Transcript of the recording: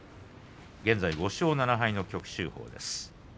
現在、５勝７敗の旭秀鵬です。